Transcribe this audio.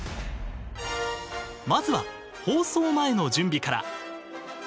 まずは、放送前の準備から。